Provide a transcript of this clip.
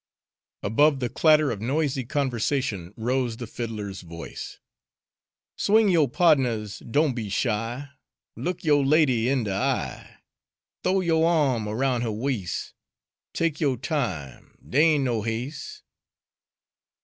Above the clatter of noisy conversation rose the fiddler's voice: "Swing yo' pa'dners; doan be shy, Look yo' lady in de eye! Th'ow yo' ahm aroun' huh wais'; Take yo' time dey ain' no has'e!"